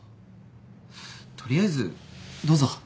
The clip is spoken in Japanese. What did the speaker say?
とりあえずどうぞ。